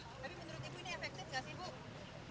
tapi menurut ibu ini efektif gak sih bu